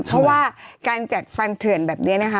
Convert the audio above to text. เพราะว่าการจัดฟันเถื่อนแบบนี้นะคะ